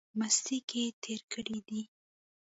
مستۍ کښې تېر کړی دی۔